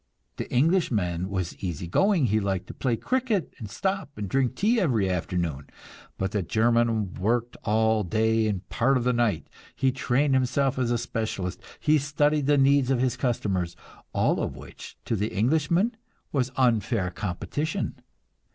The Englishman was easy going; he liked to play cricket, and stop and drink tea every afternoon. But the German worked all day and part of the night; he trained himself as a specialist, he studied the needs of his customers all of which to the Englishman was "unfair" competition.